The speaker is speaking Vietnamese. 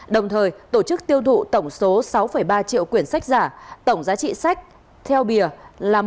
đồng thời tổ chức tiêu thụ tổng số sáu ba triệu quyền sách giả tổng giá trị sách theo bìa là một trăm sáu mươi bốn tỷ đồng